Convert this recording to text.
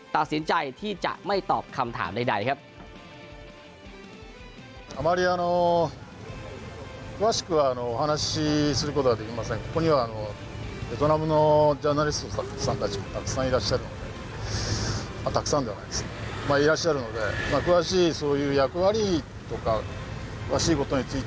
ตัดสินใจที่จะไม่ตอบคำถามใดครับ